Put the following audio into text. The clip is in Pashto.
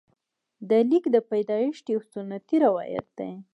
د لیک د پیدایښت یو سنتي روایت دی.